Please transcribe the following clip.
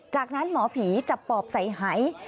จากนั้นหมอผีจับปอบใส่หาย